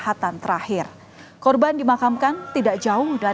masa ini tidak terlalu yakin kondisi serta hewan